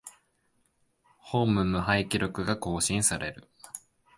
ホーム無敗記録が更新される